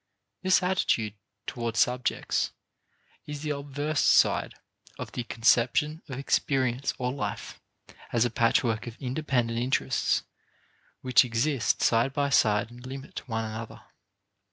This attitude toward subjects is the obverse side of the conception of experience or life as a patchwork of independent interests which exist side by side and limit one another.